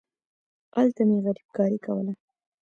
هلته مې غريبکاري کوله.